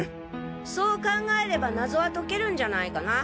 そう考えれば謎は解けるんじゃないかな？